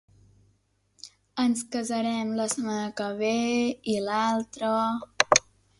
Ens casarem la setmana que ve, i l'altra….